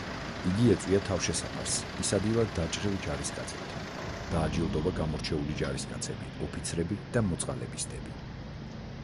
იგი ეწვია თავშესაფარს, ისადილა დაჭრილ ჯარისკაცებთან, დააჯილდოვა გამორჩეული ჯარისკაცები, ოფიცრები და მოწყალების დები.